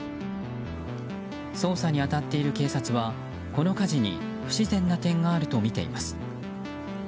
捜査に当たっている警察はこの火事に不自然な点があるとみています。